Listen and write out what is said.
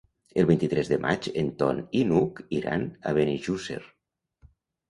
El vint-i-tres de maig en Ton i n'Hug iran a Benejússer.